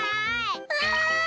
わい！